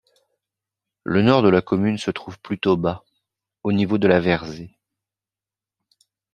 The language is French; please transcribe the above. Le nord de la commune se trouve plutôt bas, au niveau de la Verzée.